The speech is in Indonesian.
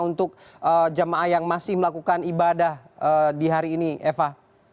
untuk jemaah yang masih melakukan ibadah di hari ini eva